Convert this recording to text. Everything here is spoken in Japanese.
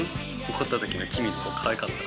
怒った時のキミの顔かわいかった。